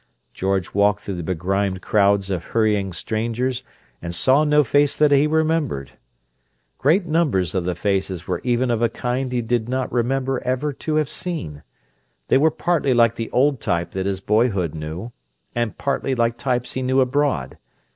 George walked through the begrimed crowds of hurrying strangers and saw no face that he remembered. Great numbers of the faces were even of a kind he did not remember ever to have seen; they were partly like the old type that his boyhood knew, and partly like types he knew abroad.